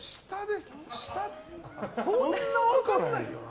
舌そんな分かんないよな。